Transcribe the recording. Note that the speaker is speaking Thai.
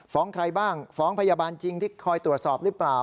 ใครบ้างฟ้องพยาบาลจริงที่คอยตรวจสอบหรือเปล่า